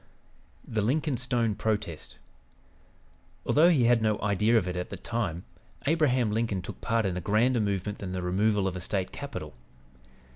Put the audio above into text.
THE LINCOLN STONE PROTEST Although he had no idea of it at the time, Abraham Lincoln took part in a grander movement than the removal of a State capital.